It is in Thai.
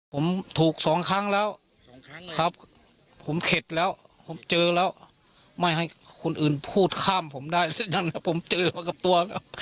ผมถูกสองครั้งแล้วผมเข็ดแล้วผมเจอแล้วไม่ให้คนอื่นพูดข้ามผมได้ฉะนั้นผมเจอมากับตัว